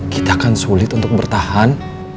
kita akan sulit untuk bertahan